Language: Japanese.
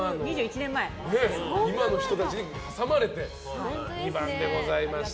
今の人たちに挟まれて２番でございました。